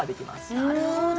なるほど！